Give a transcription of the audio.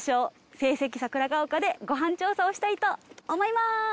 聖蹟桜ヶ丘でご飯調査をしたいと思います。